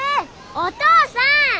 お父さん！